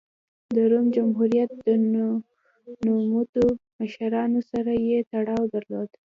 د روم جمهوریت د نوموتو مشرانو سره یې تړاو درلود